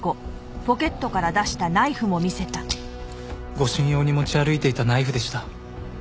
護身用に持ち歩いていたナイフでした。